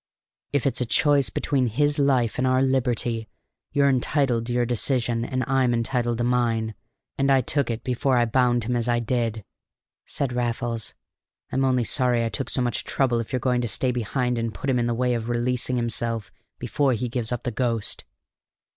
"If it's a choice between his life and our liberty, you're entitled to your decision and I'm entitled to mine, and I took it before I bound him as I did," said Raffles. "I'm only sorry I took so much trouble if you're going to stay behind and put him in the way of releasing himself before he gives up the ghost.